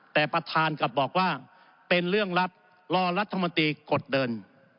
แต่ประธานกลับบอกว่าเป็นเรื่องรัฐรอรัฐมนตรีกดเดิน